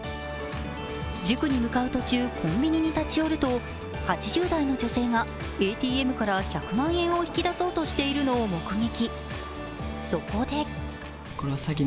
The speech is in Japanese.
塾に向かう途中、コンビニに立ち寄ると８０代の女性がＡＴＭから１００万円を引き出そうとしているのを目撃。